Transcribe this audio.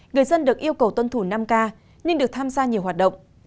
người dân được yêu cầu tuân thủ năm k nên được tham gia nhiều hoạt động